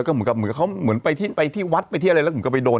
เหมือนเขาไปที่วัดไปที่อะไรแล้วเหมือนก็ไปโดน